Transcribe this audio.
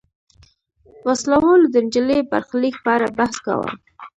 وسله والو د نجلۍ برخلیک په اړه بحث کاوه.